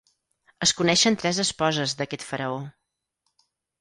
Es coneixen tres esposes d'aquest faraó.